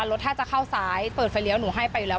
รถถ้าจะเข้าซ้ายเปิดไฟเลี้ยวหนูให้ไปอยู่แล้ว